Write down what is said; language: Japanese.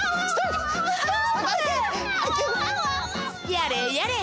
やれやれ。